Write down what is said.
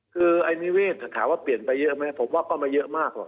คือไอ้นิเวศถามว่าเปลี่ยนไปเยอะไหมผมว่าก็ไม่เยอะมากหรอก